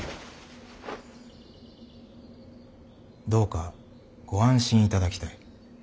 どうかご安心いただきたい。